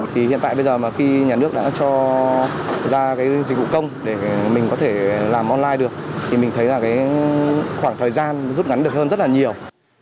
thì hiện tại bây giờ mà khi nhà nước đã cho ra cái dịch vụ công để mình có thể làm online được thì mình thấy là cái khoảng thời gian rút ngắn được hơn rất là nhiều